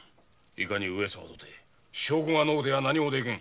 いかに上様とて証拠がなくては何もできぬ。